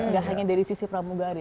gak hanya dari sisi pramugari